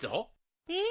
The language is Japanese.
えっ？